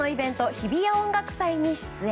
日比谷音楽祭に出演。